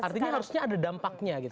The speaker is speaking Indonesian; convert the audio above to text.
artinya harusnya ada dampaknya gitu